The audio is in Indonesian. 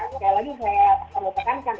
sekali lagi saya perlukan kan